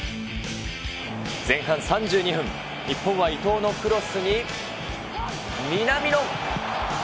前半３２分、日本は伊東のクロスに南野。